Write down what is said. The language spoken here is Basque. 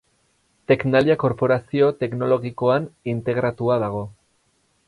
Tecnalia korporazio teknologikoan integratua dago.